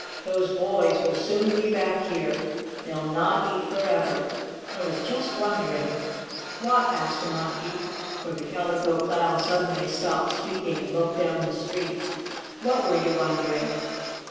"Those boys will soon be back here. They'll not eat forever. I was just wondering " "What?" asked the Monkey, for the Calico Clown suddenly stopped speaking and looked down the street. "What were you wondering?"